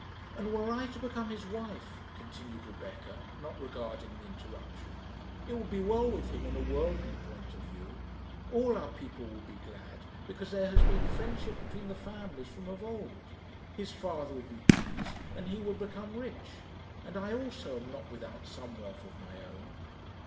"And were I to become his wife," continued Rebecca, not regarding the interruption, "it would be well with him in a worldly point of view. All our people would be glad, because there has been friendship between the families from of old. His father would be pleased, and he would become rich; and I also am not without some wealth of my own."